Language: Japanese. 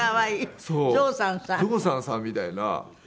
「ゾウさんさん」みたいな。